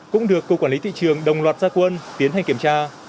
cũng được cục quản lý thị trường đồng loạt gia quân tiến hành kiểm tra